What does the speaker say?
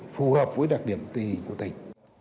phù hợp với đặc điểm của tỉnh